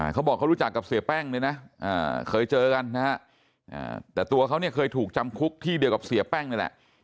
เขาบอกเขารู้จักกับเสียแป้งเลยนะเคยเจอกันนะฮะแต่ตัวเขาเนี่ยเคยถูกจำคุกที่เดียวกับเสียแป้งนี่แหละ